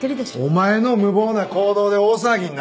お前の無謀な行動で大騒ぎになったんや！